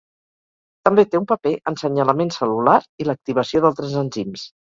També té un paper en senyalament cel·lular i l'activació d'altres enzims.